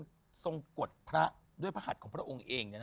ทรงกฎพระด้วยพระหัสของพระองค์เอง